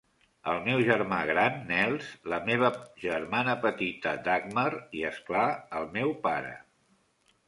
El meu germà gran, Nels, la meva germana petita, Dagmar i, és clar, el meu pare.